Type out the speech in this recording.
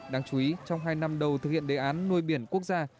đáng chú ý trong hai năm đầu thực hiện đề án nuôi biển quốc gia